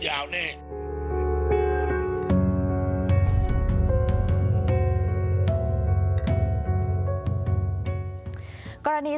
สวัสดีครับทุกคน